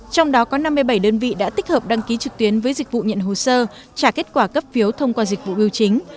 trong đó có năm mươi bảy đơn vị đã tích hợp đăng ký trực tuyến với dịch vụ nhận hồ sơ trả kết quả cấp phiếu thông qua dịch vụ yêu chính